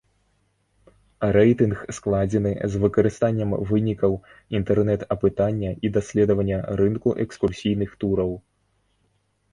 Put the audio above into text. Рэйтынг складзены з выкарыстаннем вынікаў інтэрнэт-апытання і даследавання рынку экскурсійных тураў.